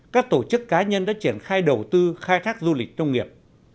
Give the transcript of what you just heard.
các tổ chức cá nhân đã triển khai đầu tư khai thác du lịch nông nghiệp